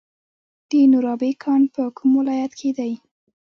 د نورابې کان په کوم ولایت کې دی؟